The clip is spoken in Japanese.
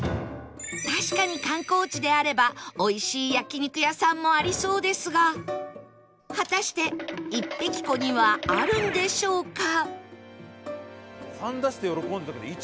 確かに観光地であればおいしい焼肉屋さんもありそうですが果たしてイッペキ湖にはあるんでしょうか？